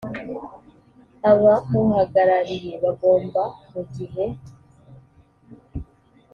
abamuhagarariye bagomba mu gihe